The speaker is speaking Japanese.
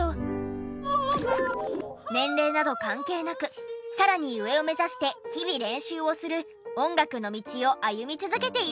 年齢など関係なくさらに上を目指して日々練習をする音楽の道を歩み続けているんだそうです。